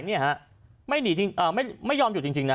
เนี่ยฮะไม่หนีจริงอะไม่ไม่ยอมอยู่จริงจริงนะฮะ